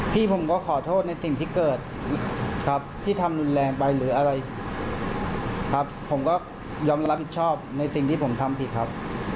พี่ผมก็ขอโทษในสิ่งที่เกิดครับที่ทำรุนแรงไปหรืออะไรครับผมก็ยอมรับผิดชอบในสิ่งที่ผมทำผิดครับ